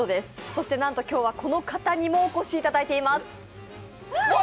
そしてなんと今日はこの方にもお越しいただいています。